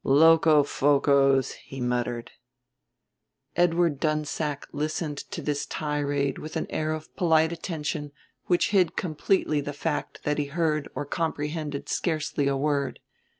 Locofocos," he muttered. Edward Dunsack listened to this tirade with an air of polite attention which hid completely the fact that he heard or comprehended scarcely a word.